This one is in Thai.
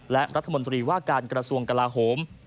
และรัฐมนตรีว่าการกระทรวงกลาโหม